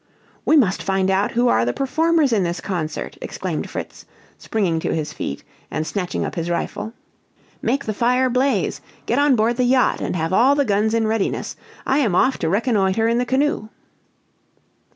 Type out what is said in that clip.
"We must find out who are the performers in this concert!" exclaimed Fritz, springing to his feet and snatching up his rifle. "Make the fire blaze; get on board the yacht, and have all the guns in readiness. I am off to reconnoiter in the canoe."